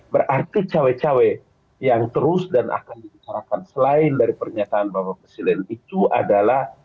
berarti cawe cawe yang terus dan akan dibicarakan selain dari pernyataan bapak presiden itu adalah